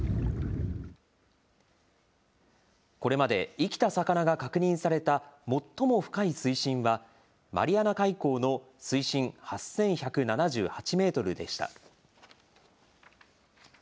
これまで生きた魚が確認された最も深い水深はマリアナ海溝の水深８１７８メートルでした。